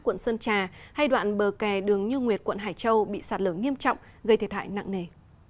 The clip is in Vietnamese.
quận sơn trà hay đoạn bờ kè đường như nguyệt quận hải châu bị sạt lở nghiêm trọng gây thiệt hại nặng nề